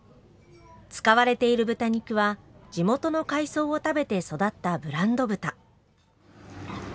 使われている豚肉は、地元の海藻を食べて育ったブランド豚。